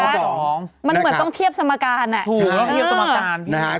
มันเหมือนต้องเทียบสมการ